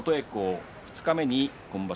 琴恵光、二日目に今場所